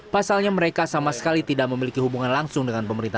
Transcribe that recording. pasalnya mereka sama sekali tidak memiliki hubungan langsung dengan pemerintah